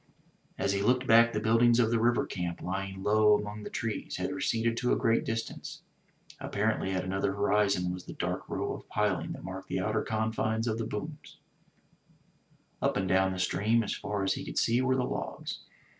As he looked back, the buildings of the river camp, lying low among the trees, had receded to a great distance; apparently at another horizon was the dark row of piling that marked the outer confines of the booms; up and down stream, as far as he could see, were the logs.